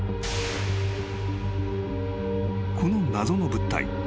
［この謎の物体。